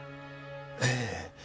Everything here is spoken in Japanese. ええ。